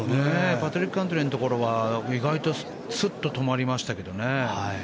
パトリック・キャントレーのところは意外とスッと止まりましたけどね。